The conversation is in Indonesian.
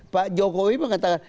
pak jokowi mengatakan